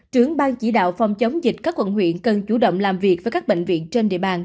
trưởng bang chỉ đạo phòng chống dịch các quận huyện cần chủ động làm việc với các bệnh viện trên địa bàn